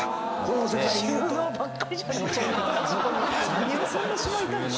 何をそんなしまいたい？